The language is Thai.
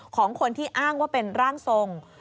ของคนที่อ้างว่าเป็นร่างทรง